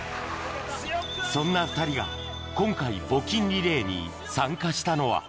そんな２人が今回募金リレーに参加したのは。